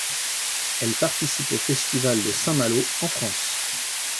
Elle participe au Festival de Saint-Malo, en France.